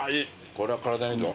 これは体にいいぞ。